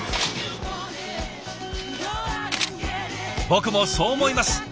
僕もそう思います。